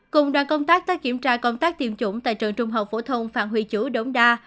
cùng đoàn công tác tới kiểm tra công tác tiêm chủng tại trường trung học phổ thông phạm huy chú đống đa